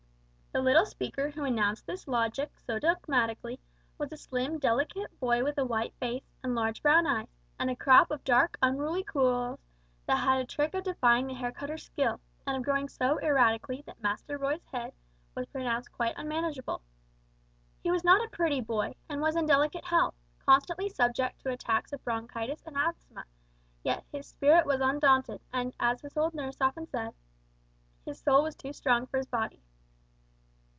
The little speaker who announced this logic so dogmatically, was a slim delicate boy with white face, and large brown eyes, and a crop of dark unruly curls that had a trick of defying the hair cutter's skill, and of growing so erratically that "Master Roy's head," was pronounced quite unmanageable. He was not a pretty boy, and was in delicate health, constantly subject to attacks of bronchitis and asthma, yet his spirit was undaunted, and as his old nurse often said, "his soul was too strong for his body."